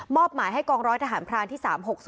หมายให้กองร้อยทหารพรานที่๓๖๒